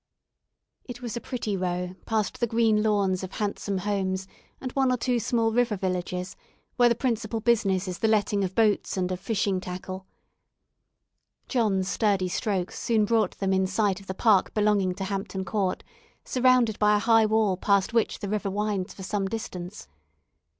It was a pretty row past the green lawns of handsome homes, and one or two small river villages, where the principal business is the letting of boats and of fishing tackle. John's sturdy strokes soon brought them in sight of the park belonging to Hampton Court, surrounded by a high wall past which the river winds for some distance.